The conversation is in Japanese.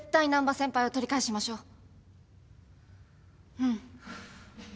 うん。